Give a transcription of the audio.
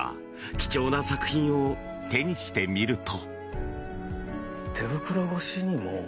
貴重な作品を手にしてみると。